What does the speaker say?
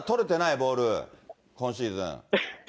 ボール、今シーズン。